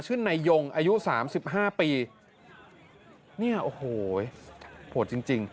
ชื่อไนยงค์อายุสามสิบห้าปีเนี้ยโอ้โหยโผล่จริงจริง